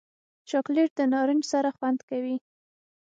چاکلېټ د نارنج سره خوند کوي.